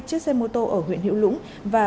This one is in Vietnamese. chiếc xe mô tô ở huyện hiểu lũng và